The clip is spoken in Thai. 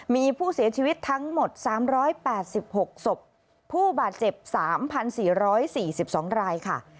มีผู้เสียชีวิตทั้งหมด๓๘๖ศพผู้บาดเจ็บ๓๔๔๒รายค่ะ